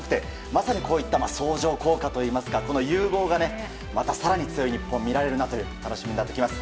まさにこういった相乗効果といいますか融合で、また更に強い日本を見られるなと楽しみになってきます。